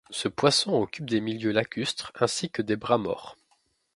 Ce poisson occupe des milieux lacustres ainsi que des bras-morts.